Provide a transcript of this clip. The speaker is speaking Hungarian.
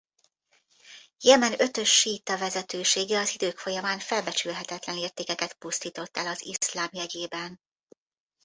Jemen ötös síita vezetősége az idők folyamán felbecsülhetetlen értékeket pusztított el az iszlám jegyében.